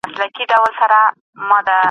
هغوی به په راتلونکي کي نورو ته بخښنه وکړي.